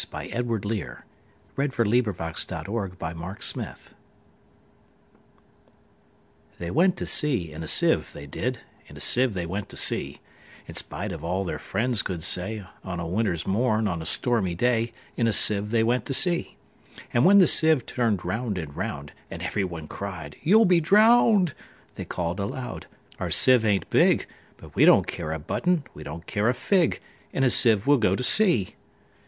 1895. Edward Lear 1812–88 The Jumblies Lear Edw THEY went to sea in a sieve, they did; In a sieve they went to sea; In spite of all their friends could say, On a winter's morn, on a stormy day, In a sieve they went to sea. And when the sieve turn'd round and round, And every one cried, "You 'll be drown'd!"They call'd aloud, "Our sieve ain't big:But we don't care a button; we don't care a fig:In a sieve we 'll go to sea!"